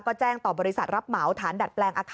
ก็แจ้งต่อบริษัทรับเหมาฐานดัดแปลงอาคาร